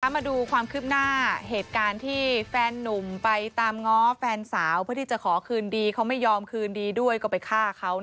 มาดูความคืบหน้าเหตุการณ์ที่แฟนนุ่มไปตามง้อแฟนสาวเพื่อที่จะขอคืนดีเขาไม่ยอมคืนดีด้วยก็ไปฆ่าเขา